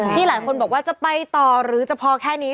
หลายคนบอกว่าจะไปต่อหรือจะพอแค่นี้